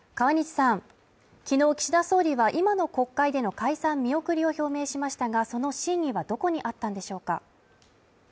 昨日岸田総理は今の国会での解散見送りを表明しましたがその真意はどこにあったんでしょうか？